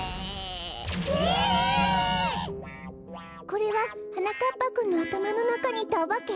これははなかっぱくんのあたまのなかにいたおばけ？